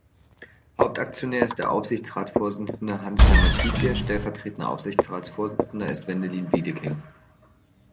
Hauptaktionär ist der Aufsichtsratsvorsitzende Hans-Hermann Tiedje, stellvertretender Aufsichtsratsvorsitzender ist Wendelin Wiedeking.